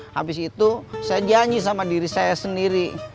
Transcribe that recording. habis itu saya janji sama diri saya sendiri